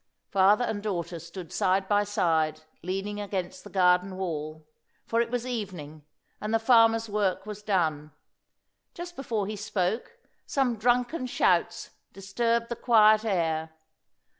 Father and daughter stood side by side, leaning against the garden wall; for it was evening, and the farmer's work was done. Just before he spoke, some drunken shouts disturbed the quiet air.